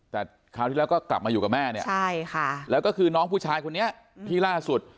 แต่คราวที่แล้วก็กลับมาอยู่กับแม่เนี่ยใช่ค่ะแล้วก็คือน้องผู้ชายคนนี้ที่ล่าสุด